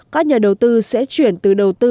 các nhà đầu tư sẽ chuyển từ đầu tư